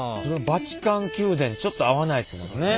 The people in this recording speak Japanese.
バチカン宮殿ちょっと合わないですもんね。